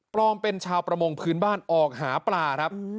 เป็นชาวประมงพื้นบ้านออกหาปลาครับ